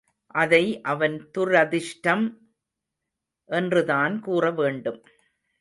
அதை அவன் துரதிர்ஷ்டம் என்றுதான் கூற வேண்டும்!